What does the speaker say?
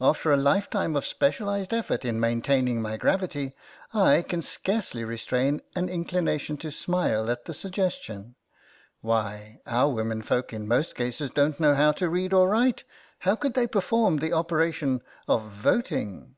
After a lifetime of specialised effort in main taining my gravity I can scarcely restrain an inclination to smile at the suggestion. Why, our womenfolk in most cases don't know how to read or write. How could they perform the operation of voting